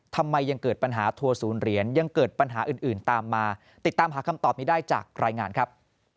ทำไมยังเกิดปัญหาทัวร์ศูนย์เหรียญยังเกิดปัญหาอื่นตามมาติดตามหาคำตอบนี้ได้จากรายงานครับ